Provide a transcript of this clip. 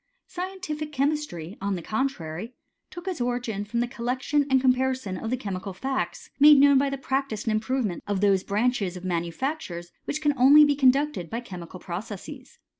Scientific chemistry, on the contrary, took its origin from the col lection and comparison of the chemical facts, made known by the practice and improvement of those branches of manufactures which can only be conducted by chemical processes.